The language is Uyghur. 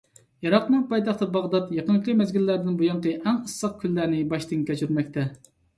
ئىراقنىڭ پايتەختى باغدات يېقىنقى مەزگىللەردىن بۇيانقى ئەڭ ئىسسىق كۈنلەرنى باشتىن كەچۈرمەكتە.